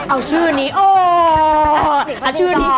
อะชื่อนี้โอ้โห